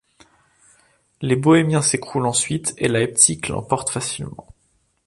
Les Bohêmiens s'écroulent ensuite et Leipzig l'emporte facilement.